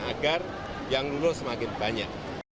agar yang lulus semakin banyak